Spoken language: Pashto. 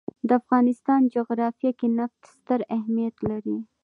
د افغانستان جغرافیه کې نفت ستر اهمیت لري.